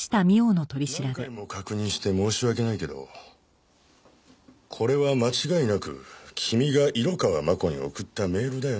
何回も確認して申し訳ないけどこれは間違いなく君が色川真子に送ったメールだよね？